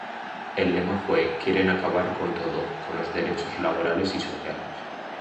El lema fue: "Quieren acabar con todo, con los derechos laborales y sociales".